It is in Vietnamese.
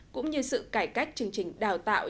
cũng như sự cải cách chương trình đào tạo